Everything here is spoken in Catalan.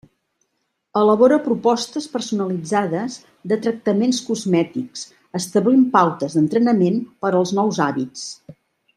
Elabora propostes personalitzades de tractaments cosmètics establint pautes d'entrenament per als nous hàbits.